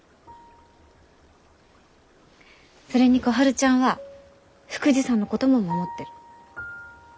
それに小春ちゃんは福治さんのことも守ってる。